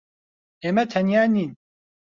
ئێمە تەنیا نین.